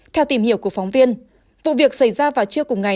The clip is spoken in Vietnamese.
theo tìm hiểu của phóng viên vụ việc xảy ra vào trưa cùng ngày